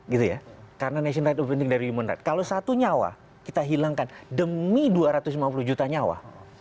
gitu ya karena nation right overing dari human right kalau satu nyawa kita hilangkan demi dua ratus lima puluh juta nyawa